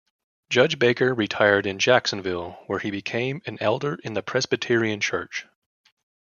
Judge Baker retired in Jacksonville, where he became an elder in the Presbyterian church.